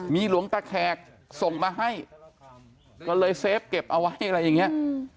มีหลวงตาแขกส่งมาให้ก็เลยเซฟเก็บเอาไว้อะไรอย่างนี้